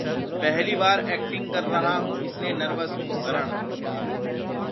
पहली बार एक्टिंग कर रहा हूं इसलिए नर्वस हूं: करन